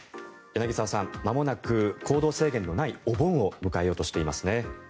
柳澤さんまもなく行動制限のないお盆を迎えようとしていますね。